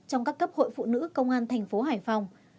trong các cấp hội phụ nữ công an thành phố hải phòng